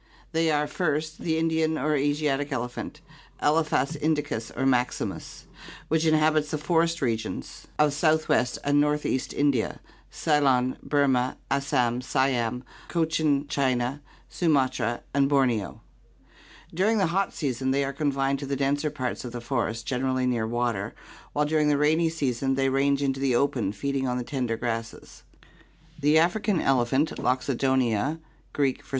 They are, first, the Indian or Astatic elephant, Elephas indicus or maximus (PI. XXIII, B) which inhabits the forest regions PROBOSCIDEANS 603 of southwest and northeast India, Ceylon, Burma, Assam, Siam, Cochin China, Sumatra, and Borneo. During the hot season they are confined to the denser parts of the forest, generally near water, while during the rainy season they " B range into the open, feeding on the tender grasses. The African elephant, Loxodonta (Gr. \o£d?